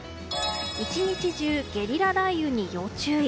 １日中、ゲリラ雷雨に要注意。